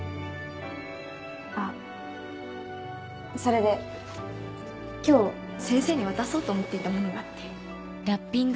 あっそれで今日先生に渡そうと思っていた物があって。